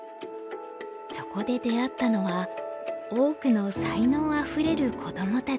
そこで出会ったのは多くの才能あふれる子どもたち。